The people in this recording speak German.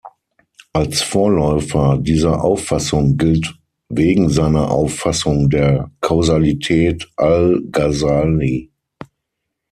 Als Vorläufer dieser Auffassung gilt wegen seiner Auffassung der Kausalität Al-Ghazali.